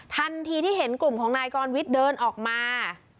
ทันทีที่เห็นกลุ่มของนายกรวิทย์เดินออกมา